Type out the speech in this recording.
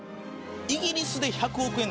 イギリスで１００億円